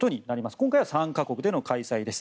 今回は３か国での開催です。